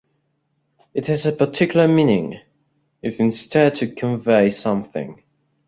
It has a particular meaning, is intended to convey something'.